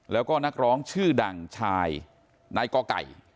แล้วก็นักร้องชื่อดังชายนายกอไก่